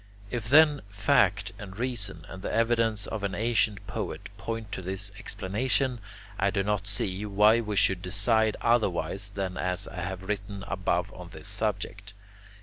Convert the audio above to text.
If then, fact and reason and the evidence of an ancient poet point to this explanation, I do not see why we should decide otherwise than as I have written above on this subject.